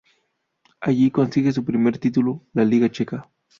Allí consigue su primer título, la Liga checa.